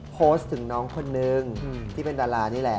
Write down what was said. โพสต์ถึงน้องคนนึงที่เป็นดารานี่แหละ